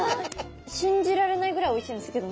信じられないぐらいおいしいんですけど何？